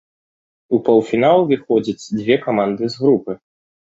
У паўфінал выходзяць па дзве каманды з групы.